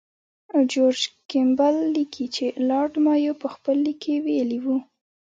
جورج کیمبل لیکي چې لارډ مایو په خپل لیک کې ویلي وو.